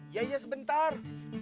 iya iya sebentar